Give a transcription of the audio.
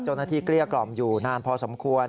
เจ้าหน้าที่เกลี้ยกล่อมอยู่นานพอสมควร